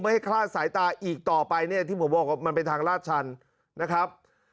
ให้คลาดสายตาอีกต่อไปเนี่ยที่ผมบอกว่ามันเป็นทางลาดชันนะครับ